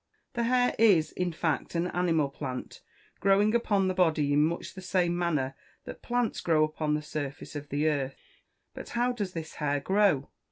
The hair is, in fact, an animal plant, growing upon the body in much the same manner that plants grow upon the surface of the earth. But how does this hair grow?